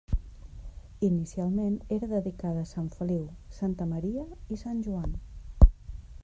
Inicialment era dedicada a sant Feliu, santa Maria i sant Joan.